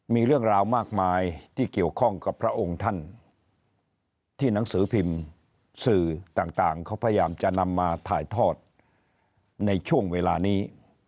มีเรื่องราวมากมายที่เกี่ยวข้องกับพระองค์ท่านที่หนังสือพิมพ์สื่อต่างเขาพยายามจะนำมาถ่ายทอดในช่วงเวลานี้